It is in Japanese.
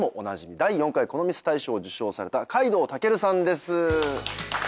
第４回『このミス』大賞を受賞された海堂尊さんです。